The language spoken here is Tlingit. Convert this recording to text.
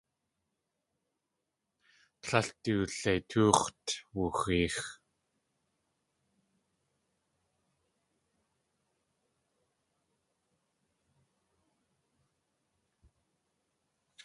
Tlél du leitóox̲t wuxeex.